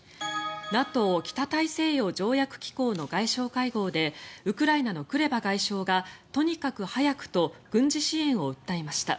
ＮＡＴＯ・北大西洋条約機構の外相会合でウクライナのクレバ外相がとにかく早くと軍事支援を訴えました。